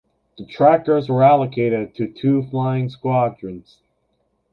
The Trackers were allocated to two flying squadrons.